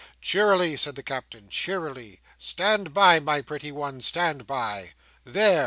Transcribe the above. "Cheerily," said the Captain. "Cheerily! Stand by, my pretty one, stand by! There!